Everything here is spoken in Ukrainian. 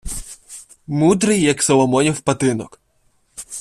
Мудрий, як Соломонів патинок.